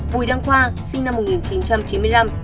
bùi đăng khoa sinh năm một nghìn chín trăm chín mươi năm